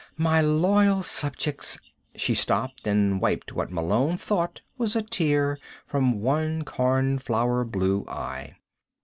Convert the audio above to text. My loyal subjects " She stopped and wiped what Malone thought was a tear from one cornflower blue eye.